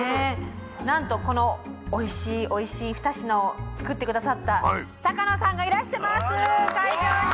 なんとこのおいしいおいしい二品をつくって下さった坂野さんがいらしてます会場に。